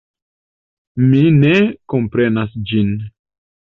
Mi ne komprenas ĝin.